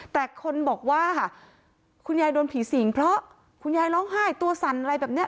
แต่คนบอกว่าคุณยายโดนผีสิงเพราะคุณยายร้องไห้ตัวสั่นอะไรแบบนี้